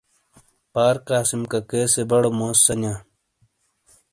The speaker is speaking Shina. پار قاسم ککے سے بڑو موزسَنیاں۔